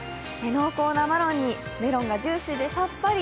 濃厚なマロンにメロンがジューシーでさっぱり。